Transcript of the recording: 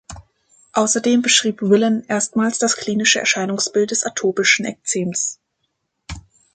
Außerdem beschrieb Willan erstmals das klinische Erscheinungsbild des atopischen Ekzems.